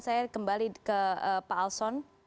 saya kembali ke pak alson